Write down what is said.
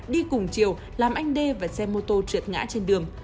đi cùng chiều làm anh đê và xe mô tô trượt ngã trên đường